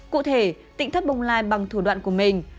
cụ thể tỉnh thất bồng lai bằng thủ đoạn của mình